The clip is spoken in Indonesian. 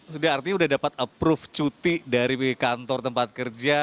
sudah artinya sudah dapat approve cuti dari kantor tempat kerja